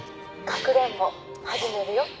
かくれんぼ始めるよ。